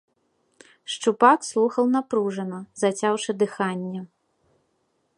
Шчупак слухаў напружана, зацяўшы дыханне.